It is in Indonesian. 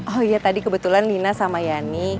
oh iya tadi kebetulan nina sama yani